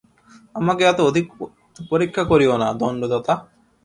আমাকে এত অধিক পরীক্ষা করিয়ো না, দণ্ডদাতা।